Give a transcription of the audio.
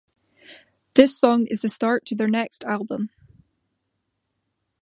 This song is the start to their next album.